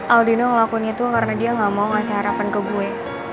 aldino ngelakuin itu karena dia gak mau ngasih harapan ke gue